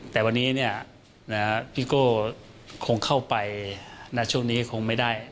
แต่วันนี้พี่โก้คงเข้าไปณช่วงนี้คงไม่ได้